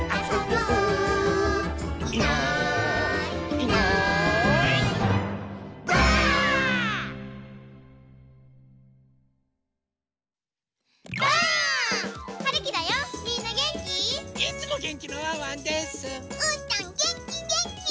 うーたんげんきげんき！